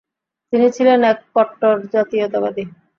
তিনি ছিলেন এক কট্টর জাতীয়তাবাদী।